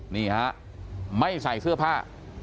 นี่ฮะไม่ใส่เสื้อผ้า